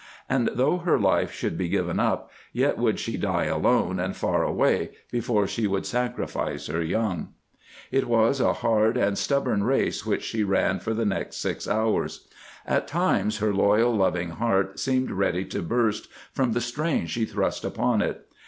And though her life should be given up, yet would she die alone, and far away, before she would sacrifice her young. It was a hard and stubborn race which she ran for the next six hours. At times her loyal, loving heart seemed ready to burst from the strain she thrust upon it.